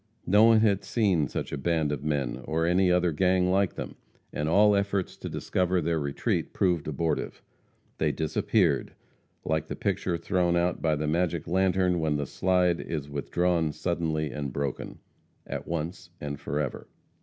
No one had seen such a band of men or any other gang like them, and all efforts to discover their retreat proved abortive. They disappeared like the picture thrown out by the magic lantern when the slide is withdrawn suddenly and broken at once and forever.